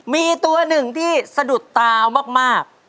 มีตัวหนึ่งที่สะดุดตามาก